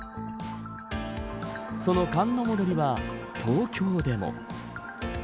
その寒の戻りは東京でも。